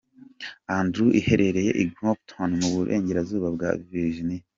Andrew iherereye i Grafton mu Burengerazuba bwa Virginia.